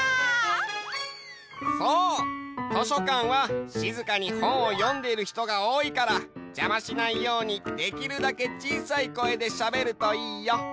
そう！としょかんはしずかにほんをよんでいるひとがおおいからじゃましないようにできるだけちいさい声でしゃべるといいよ。